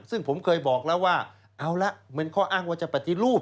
ซึ่งผมเคยบอกแล้วว่าเอาละเป็นข้ออ้างว่าจะปฏิรูป